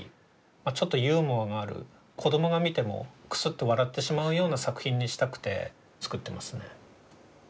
まあちょっとユーモアがある子供が見てもクスッと笑ってしまうような作品にしたくて作ってますね。